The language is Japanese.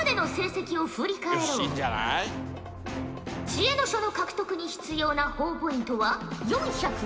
知恵の書の獲得に必要なほぉポイントは４２０。